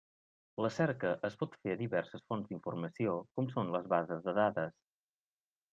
La cerca es pot fer a diverses fonts d'informació, com són les bases de dades.